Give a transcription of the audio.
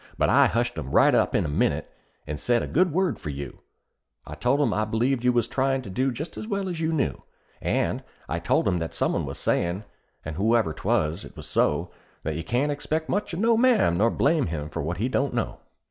But I hushed 'em right up in a minute, and said a good word for you; I told 'em I b'lieved you was tryin' to do just as well as you knew; And I told 'em that some one was sayin', and whoever 'twas it is so, That you can't expect much of no one man, nor blame him for what he don't know.